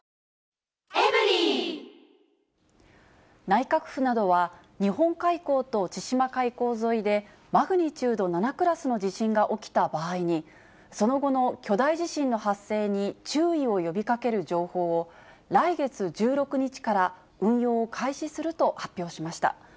内閣府などは、日本海溝と千島海溝沿いで、マグニチュード７クラスの地震が起きた場合に、その後の巨大地震の発生に注意を呼びかける情報を、来月１６日から運用を開始すると発表しました。